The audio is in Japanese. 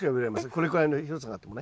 これくらいの広さがあってもね。